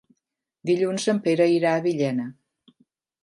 Dilluns en Pere irà a Villena.